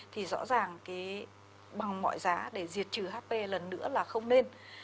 thì rõ ràng bằng mọi giá để diệt trừ hp lần nữa là không nên